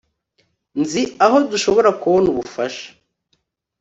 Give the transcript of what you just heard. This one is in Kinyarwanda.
nzi aho dushobora kubona ubufasha